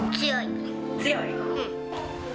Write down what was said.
強い。